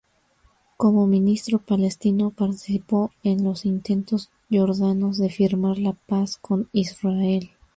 Como ministro palestino, participó en los intentos jordanos de firmar la paz con Israel.